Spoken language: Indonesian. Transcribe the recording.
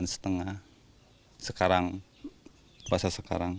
sekarang puasa sekarang